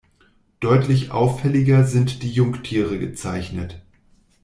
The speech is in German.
Deutlich auffälliger sind die Jungtiere gezeichnet.